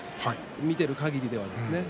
見ているかぎりはですね。